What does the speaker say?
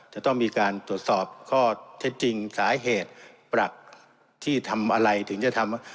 จะต้องมีการตรวจสอบข้อเท็จจริงสาเหตุปรักที่ทำอะไรถึงจะทำ